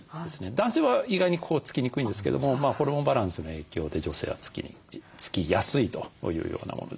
男性は意外にここつきにくいんですけどもホルモンバランスの影響で女性はつきやすいというようなものです。